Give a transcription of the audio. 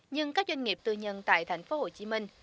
nhưng các doanh nghiệp tư nhân tại thành phố hồ chí minh